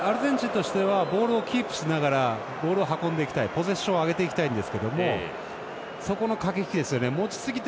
アルゼンチンとしてはボールをキープしながらボールを運ぶ、ポゼッションを上げていきたいんですが駆け引きですね。